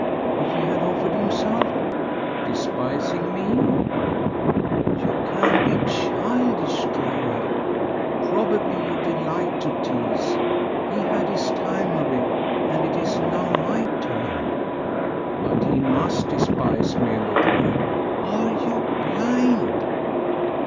"If he had offered himself?" "Despising me?" "You can be childish, Clara. Probably you delight to tease. He had his time of it, and it is now my turn." "But he must despise me a little." "Are you blind?"